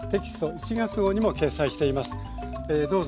１月号にも掲載しています。